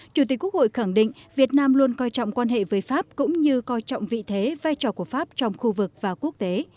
chủ tịch quốc hội khẳng định việt nam luôn coi trọng quan hệ với pháp cũng như coi trọng vị thế vai trò của pháp trong khu vực và quốc tế